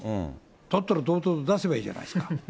だったら堂々と出せばいいじゃないですか。